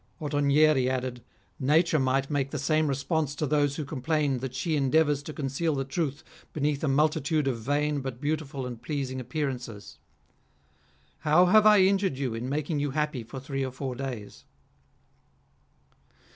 Ottonieri added :" Nature might make the same response to those who complain that she endeavours to conceal the truth beneath a multitude of vain but beautiful and pleasing appearances. How have I injured you, in making you happy for three or four days